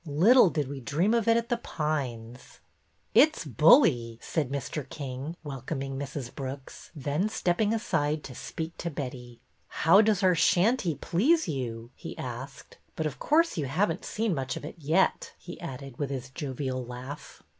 Little did we dream of it at The Pines !"'' It 's bully !" said Mr. King, welcoming Mrs. Brooks, then stepping aside to speak to Betty. How does our shanty please you ?" he asked. '' But, of course, you have n't seen much of it yet," he added, with his .jovial laugh.